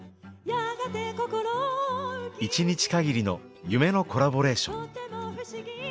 １日限りの夢のコラボレーション。